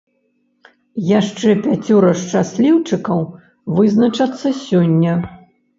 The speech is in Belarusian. Яшчэ пяцёра шчасліўчыкаў вызначацца сёння.